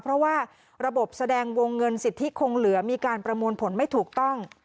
เพราะว่าระบบแสดงวงเงินสิทธิคงเหลือมีการประมวลผลไม่ถูกต้อง